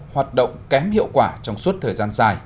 hoạt động kém hiệu quả trong suốt thời gian dài